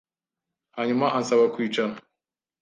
Hanyuma ansaba kwicara